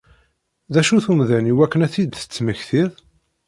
D acu-t umdan iwakken ad t-id-temmektiḍ?